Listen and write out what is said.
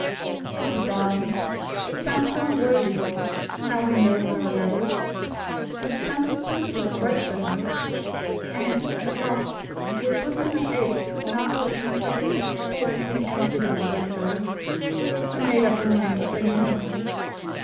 Ah, darling! It sounds so unworthy, now we know what our love is. But it sounded sensible and right that night; and at last, with a bosom that ached, and arms that hung heavy at the thought of being emptied of all that joy, I made up my mind to say 'no.'